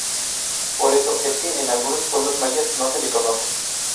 Por eso es que en algunos pueblos mayas no se le conoce.